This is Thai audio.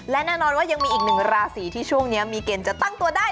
และแน่นอนว่ายังมีอีกหนึ่งราศีที่ช่วงนี้มีเกณฑ์จะตั้งตัวได้